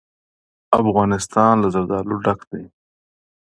افغانستان له زردالو ډک دی.